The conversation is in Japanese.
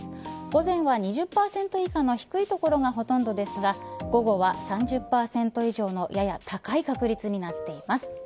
午前は２０％以下の低い所がほとんどですが午後は３０％以上のやや高い確率になっています。